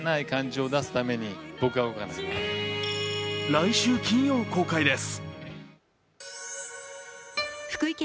来週金曜公開です。